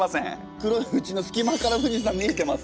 黒いふちの隙間から富士山見えてます。